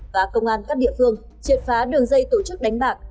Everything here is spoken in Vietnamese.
và công an các địa phương triệt phá đường dây tổ chức đánh bạc